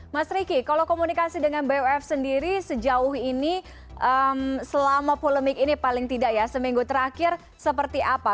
mas riki kalau komunikasi dengan buff sendiri sejauh ini selama polemik ini paling tidak ya seminggu terakhir seperti apa